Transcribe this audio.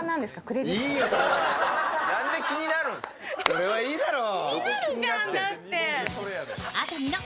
それはいいだろ。